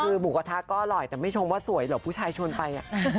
คือหมูกระทะก็อร่อยแต่ไม่ชมว่าสวยหรอกผู้ชายชวนไป